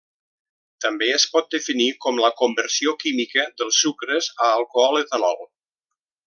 També es pot definir com la conversió química dels sucres a alcohol etanol.